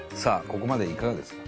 ここまでいかがですか？